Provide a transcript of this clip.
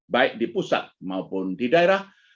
baik di pusat maupun di daerah